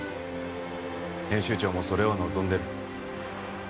編集長もそれを望んでる。